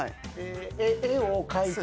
絵を描いて。